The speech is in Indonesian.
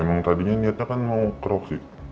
emang tadinya niatnya kan mau keroksi